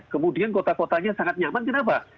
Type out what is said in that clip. kemudian kota kotanya sangat nyaman kenapa